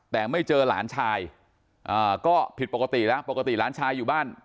แต่ไม่เจอหลานชายก็ผิดปกติแล้วปกติหลานชายอยู่บ้าน